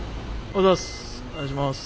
お願いします。